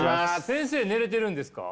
先生寝れてるんですか？